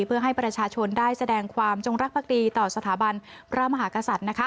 เพื่อให้ประชาชนได้แสดงความจงรักภักดีต่อสถาบันพระมหากษัตริย์